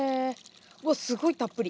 わっすごいたっぷり。